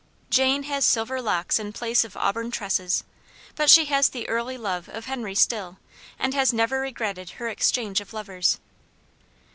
Jane has silver locks in place of auburn tresses, but she has the early love of Henry still, and has never regretted her exchange of lovers.